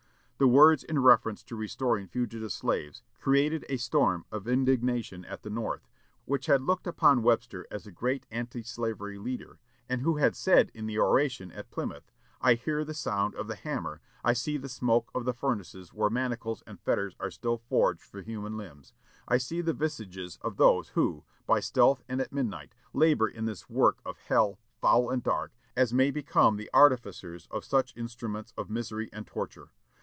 The words in reference to restoring fugitive slaves created a storm of indignation at the North, which had looked upon Webster as a great anti slavery leader, and who had said in the oration at Plymouth, "I hear the sound of the hammer, I see the smoke of the furnaces where manacles and fetters are still forged for human limbs. I see the visages of those who, by stealth and at midnight, labor in this work of hell, foul and dark, as may become the artificers of such instruments of misery and torture.